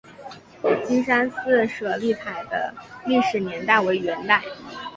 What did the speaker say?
金山寺舍利塔的历史年代为元代。